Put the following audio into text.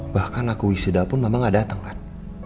bahkan aku wisuda pun mama gak dateng kan